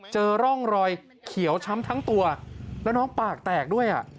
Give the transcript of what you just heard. เจอร่องรอยเขียวช้ำทั้งตัวแล้วน้องปากแตกด้วย